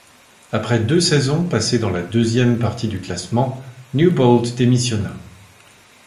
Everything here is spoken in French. Après deux saisons passées dans la deuxième partie du classement, Newbould démissionna.